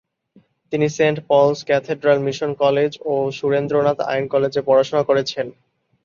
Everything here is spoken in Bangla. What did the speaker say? তিনি Saint Paul's Cathedral Mission College ও সুরেন্দ্রনাথ আইন কলেজে পড়াশোনা করেছেন।